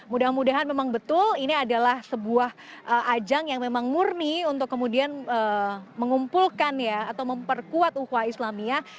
mudah mudahan memang betul ini adalah sebuah ajang yang memang murni untuk kemudian mengumpulkan ya atau memperkuat ukwa islamia